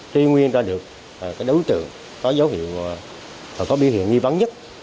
truy nguyên ra được đối tượng có dấu hiệu và có biểu hiện nghi vắng nhất